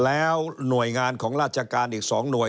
แล้วหน่วยงานของราชการอีก๒หน่วย